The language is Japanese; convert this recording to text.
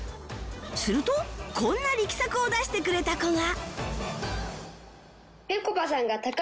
するとこんな力作を出してくれた子が